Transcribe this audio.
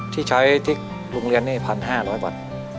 ที่ใช้ที่โรงเรียนนี่๑๕๐๐บาท